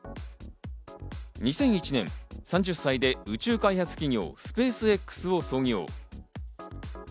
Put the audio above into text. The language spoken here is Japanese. ２００１年、３０歳で宇宙開発企業スペースＸを創業。